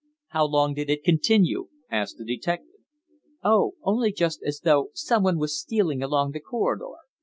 "How long did it continue?" asked the detective. "Oh, only just as though someone was stealing along the corridor.